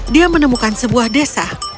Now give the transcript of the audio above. dia menemukan sebuah desa